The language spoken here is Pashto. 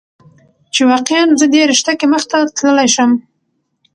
چې واقعا زه دې رشته کې مخته تللى شم.